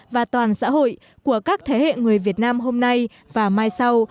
và toàn xã hội của các thế hệ người việt nam hôm nay và mai sau